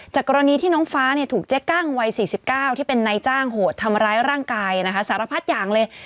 กรณีที่น้องฟ้าถูกเจ๊กั้งวัย๔๙ที่เป็นนายจ้างโหดทำร้ายร่างกายนะคะสารพัดอย่างเลย